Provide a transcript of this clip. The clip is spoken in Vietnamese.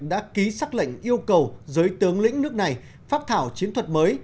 đã ký xác lệnh yêu cầu giới tướng lĩnh nước này phát thảo chiến thuật mới